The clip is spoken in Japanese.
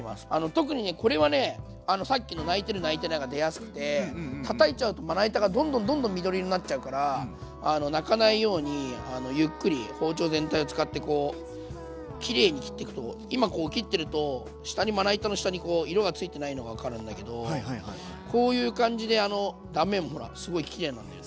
特にこれはねさっきの泣いてる泣いてないが出やすくてたたいちゃうとまな板がどんどんどんどん緑色になっちゃうから泣かないようにゆっくり包丁全体を使ってこうきれいに切っていくと今こう切ってると下にまな板の下に色がついてないの分かるんだけどこういう感じで断面もほらすごいきれいなんです。